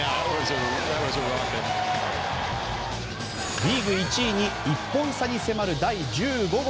リーグ１位に１本差に迫る第１５号。